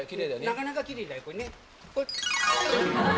なかなか奇麗だよこれね。